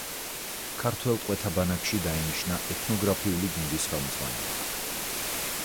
ქართველ ტყვეთა ბანაკში დაინიშნა ეთნოგრაფიული გუნდის ხელმძღვანელად.